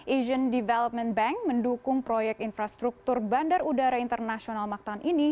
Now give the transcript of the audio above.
asian development bank mendukung proyek infrastruktur bandar udara internasional macton ini